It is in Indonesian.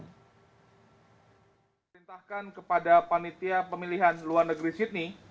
menteri pemilihan pemilihan luar negeri sydney